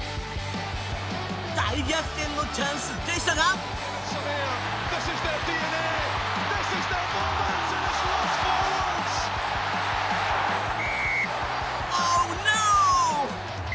大逆転のチャンスでしたがオーノー！